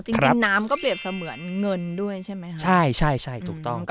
จริงจริงน้ำก็เปรียบเสมือนเงินด้วยใช่ไหมคะใช่ใช่ถูกต้อง